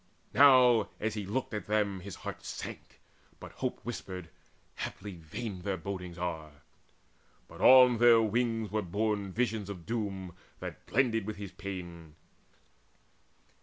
Now, as he looked at them, His heart sank; now hope whispered, "Haply vain Their bodings are!" but on their wings were borne Visions of doom that blended with his pain.